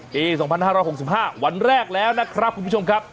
ปี๒๕๖๕วันแรกแล้วนะครับคุณผู้ชมครับ